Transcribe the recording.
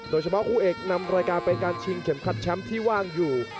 โดยเฉพาะคู่เอกนำรายการไปการชิงเข็มคลัดแชมป์ที่ว่างอยู่